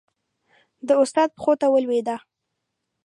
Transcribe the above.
د استاد پښو ته ولوېده.